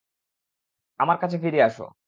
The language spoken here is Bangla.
আমার কাছে ফিরে আসো।